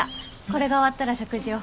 これが終わったら食事を。